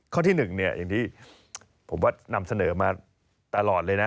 ที่๑เนี่ยอย่างที่ผมว่านำเสนอมาตลอดเลยนะ